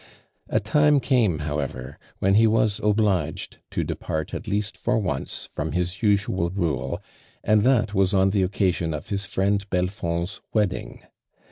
A time came however when he was obligetl to depart at least for once from his usual rule, an<l that was on the occasion of his friend Belfond's wedding.